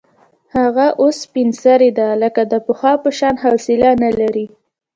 هغه اوس سپین سرې ده، لکه د پخوا په شان حوصله نه لري.